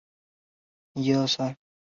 钝叶短柱茶为山茶科山茶属的植物。